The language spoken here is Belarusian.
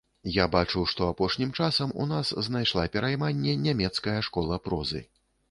Я бачу, што апошнім часам у нас знайшла перайманне нямецкая школа прозы.